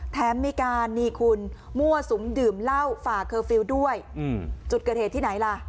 แถมมีการนีคลุมั่วสูมยื่อเรื้อเหล้า